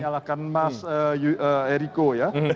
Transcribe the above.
saya akan menyalakan mas ericko ya